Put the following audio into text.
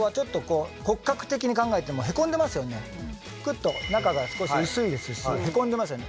クッと中が少し薄いですしへこんでますよね。